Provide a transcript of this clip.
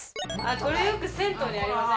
これよく銭湯にありません？